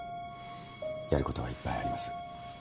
やることがいっぱいあります。